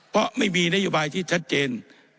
เพราะไม่มีนโยบายที่ชัดเจน